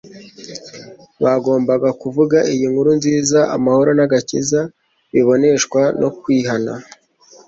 Bagombaga kuvuga iyi nkuru nziza: amahoro n'agakiza biboneshwa no kwihana,